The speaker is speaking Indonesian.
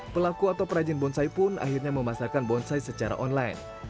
pelaku atau perajin bonsai pun akhirnya memasarkan bonsai secara online